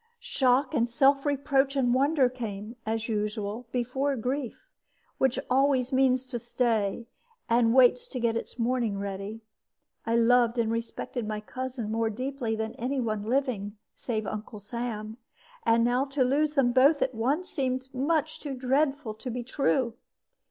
Shock and self reproach and wonder came (as usual) before grief, which always means to stay, and waits to get its mourning ready. I loved and respected my cousin more deeply than any one living, save Uncle Sam; and now to lose them both at once seemed much too dreadful to be true.